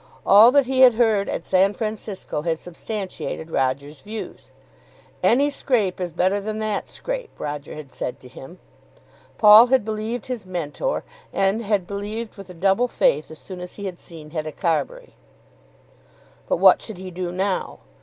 All that he had heard at San Francisco had substantiated Roger's views. "Any scrape is better than that scrape," Roger had said to him. Paul had believed his Mentor, and had believed with a double faith as soon as he had seen Hetta Carbury. But what should he do now?